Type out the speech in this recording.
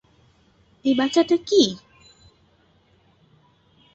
এই বাচ্চাটা কী?